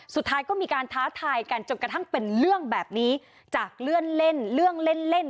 สุดท้ายก็มีการท้าทายกันจนกระทั่งเป็นเรื่องแบบนี้จากเลื่อนเล่นเรื่องเล่นเล่น